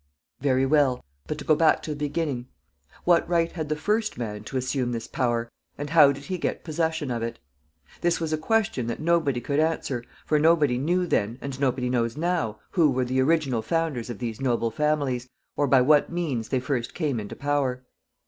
Very well; but to go back to the beginning. What right had the first man to assume this power, and how did he get possession of it? This was a question that nobody could answer, for nobody knew then, and nobody knows now, who were the original founders of these noble families, or by what means they first came into power.